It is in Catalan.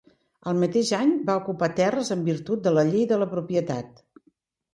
El mateix any va ocupar terres en virtut de la Llei de la propietat.